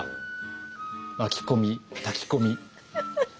巻き込み炊き込み。